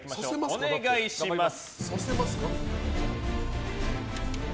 お願いします。